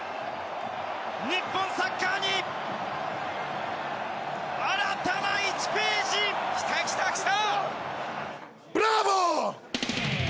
日本サッカーに新たな１ページ。来た来た来た！